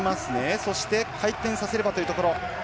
それで回転させればというところ。